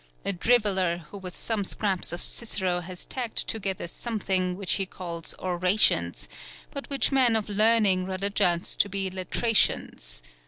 A driveller, who with some scraps of Cicero has tagged together something, which he calls Orations, but which men of learning rather judge to be Latrations.